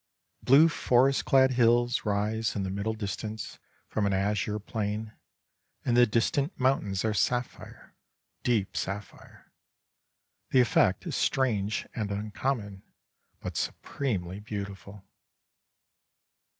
Blue forest clad hills rise, in the middle distance, from an azure plain, and the distant mountains are sapphire, deep sapphire. The effect is strange and uncommon, but supremely beautiful.